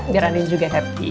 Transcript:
biar andi juga happy